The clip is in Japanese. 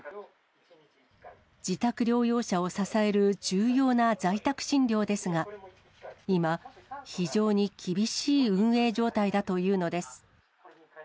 自宅療養者を支える重要な在宅診療ですが、今、非常に厳しい運営状態だというのです。